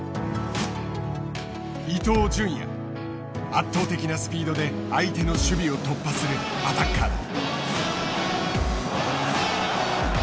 圧倒的なスピードで相手の守備を突破するアタッカーだ。